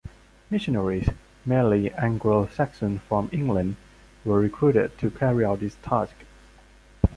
Missionaries, mainly Anglo-Saxons from England, were recruited to carry out this task.